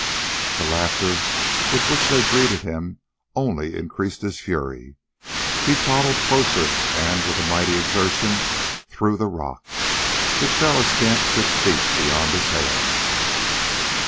The laughter with which they greeted him only increased his fury. He toddled closer, and with a mighty exertion threw the rock. It fell a scant six feet beyond his hand.